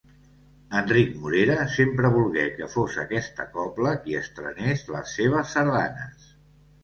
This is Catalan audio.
Enric Morera sempre volgué que fos aquesta cobla qui estrenés les seves sardanes.